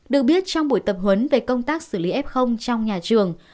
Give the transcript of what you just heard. được biết trong buổi tập huấn về công tác xử lý f trong nhà trường